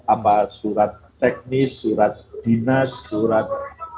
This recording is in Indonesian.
apa surat teknis surat dinas surat